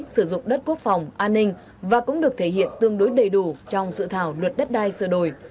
sử dụng đất quốc phòng an ninh và cũng được thể hiện tương đối đầy đủ trong dự thảo luật đất đai sửa đổi